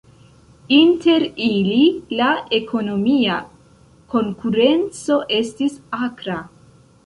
Inter ili, la ekonomia konkurenco estis akra.